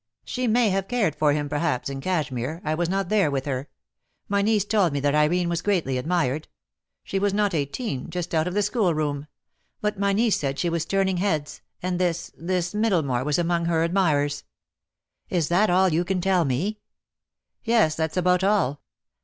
"She may have cared for him, perhaps — in Cashmere. I was not there with her. My niece told me that Irene was greatly admired. She was not eighteen, just out of the school room; but my niece said she was turning heads; and this — this Middlemore was among her admirers." "Is that all you can tell me?" "Yes, that's about all."